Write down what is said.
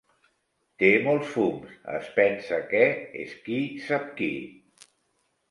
Té molts fums: es pensa que és qui sap qui.